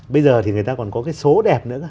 bây giờ thì người ta còn có cái số đẹp nữa